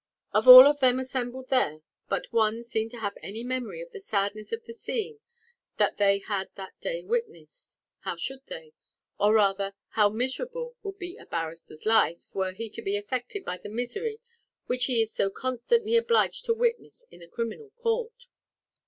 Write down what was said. Of all of them assembled there but one seemed to have any memory of the sadness of the scene that they had that day witnessed. How should they? Or rather how miserable would be a barrister's life, were he to be affected by the misery which he is so constantly obliged to witness in a criminal court.